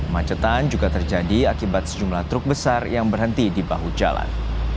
macetan juga terjadi akibat sejumlah truk besar yang berhenti di bahu jalan